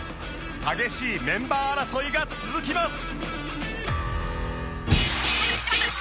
激しいメンバー争いが続きます。